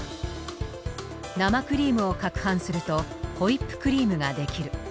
生クリームをかくはんするとホイップクリームが出来る。